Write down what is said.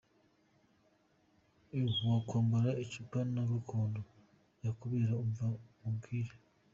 I Wakwambara icupa Na gakondo yakubera umva nkubwire!!.